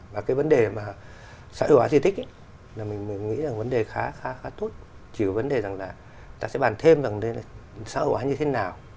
và cái vấn đề xã hội hóa di tích thì mình nghĩ là vấn đề khá tốt chỉ có vấn đề là ta sẽ bàn thêm xã hội hóa như thế nào